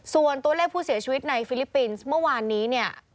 ส่วนตัวเลขผู้เสียชีวิตในฟิลิปปินส์เมื่อวานนี้เนี่ย